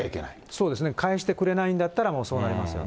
そうですね、返してくれないんだったら、もうそうなりますよ